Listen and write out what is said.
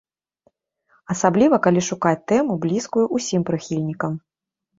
Асабліва калі шукаць тэму, блізкую ўсім прыхільнікам.